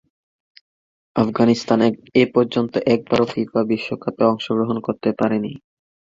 আফগানিস্তান এপর্যন্ত একবারও ফিফা বিশ্বকাপে অংশগ্রহণ করতে পারেনি।